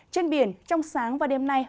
trên biển trong sáng và đêm nay